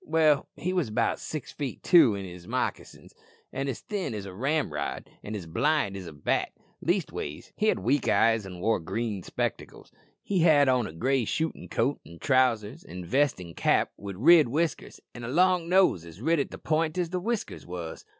Well, he wos about six feet two in his moccasins, an' as thin as a ramrod, an' as blind as a bat leastways he had weak eyes an' wore green spectacles. He had on a gray shootin' coat an' trousers an' vest an' cap, with rid whiskers an' a long nose as rid at the point as the whiskers wos."